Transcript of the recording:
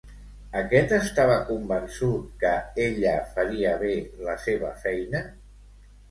Aquest estava convençut que ella faria bé la seva feina?